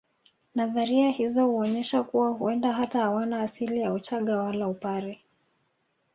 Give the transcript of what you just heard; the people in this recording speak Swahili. Nadharia hizo huonyesha kuwa huenda hata hawana asili ya uchaga wala upare